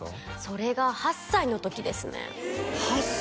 それが８歳の時ですね８歳？